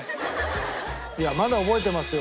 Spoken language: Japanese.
いやまだ覚えてますよ